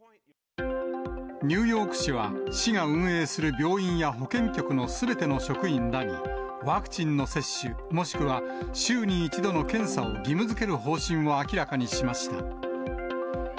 ニューヨーク市は、市が運営する病院や保健局のすべての職員らに、ワクチンの接種、もしくは週に１度の検査を義務づける方針を明らかにしました。